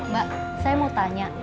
mbak saya mau tanya